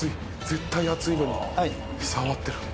絶対熱いのに触ってる。